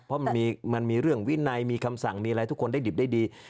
เพราะมันมีเรื่องวินัยมีคำสั่งมีอะไรทุกคนได้ดิบได้ดี